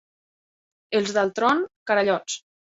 Els d'Altron, carallots.